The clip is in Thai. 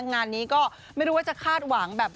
งานนี้ก็ไม่รู้ว่าจะคาดหวังแบบ